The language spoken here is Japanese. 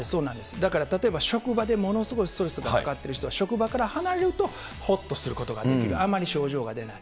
だから例えば職場でものすごいストレスがかかっている人は、職場から離れるとほっとすることができる、あまり症状が出ない。